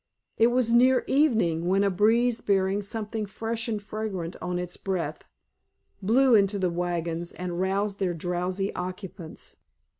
It was near evening when a breeze, bearing something fresh and fragrant on its breath, blew into the wagons and roused their drowsy occupants.